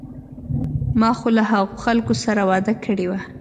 ما خو له هغو خلکو سره وعده کړې وه.